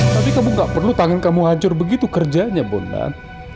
tapi kamu gak perlu tangan kamu hancur begitu kerjanya bondan